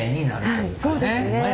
はいそうですね。